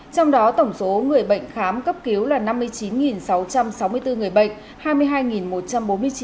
trong đó tổng số người bệnh khám cấp cứu là năm mươi chín sáu trăm sáu mươi bốn người bệnh